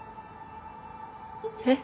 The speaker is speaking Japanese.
えっ？